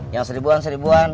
yang seribuan seribuan